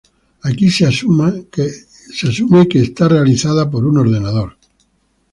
Aquí, se asume que es realizada por un ordenador.